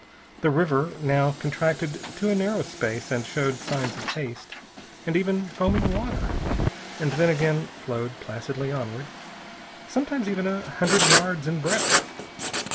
The river now contracted to a narrow space and showed signs of haste, and even foaming water, and then again flowed placidly onward, sometimes even a hundred yards in breadth.